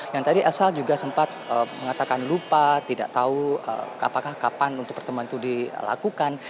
yang tadi elsa juga sempat mengatakan lupa tidak tahu apakah kapan untuk pertemuan itu dilakukan